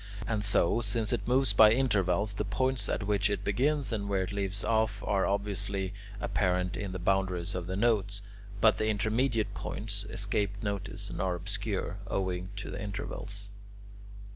And so, since it moves by intervals, the points at which it begins and where it leaves off are obviously apparent in the boundaries of the notes, but the intermediate points escape notice and are obscure, owing to the intervals.